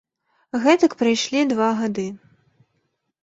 Гэтак прайшлі два гады.